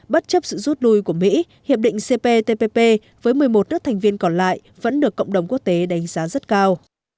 bất chấp sự rút lui của mỹ hiệp định cptpp với một mươi một đức thành viên còn lại vẫn được cộng đồng quốc tế đảm bảo